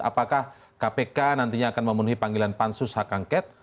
apakah kpk nantinya akan memenuhi panggilan pansus hak angket